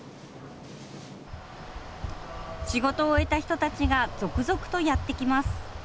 仕事を終えた人たちが続々とやって来ます。